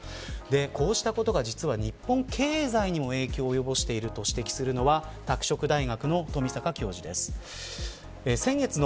こうしたことが日本経済にも影響を及ぼしていると指摘するのが拓殖大学の富作教授です。